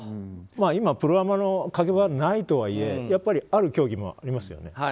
今、プロアマの壁はないとはいえある競技もありますよね。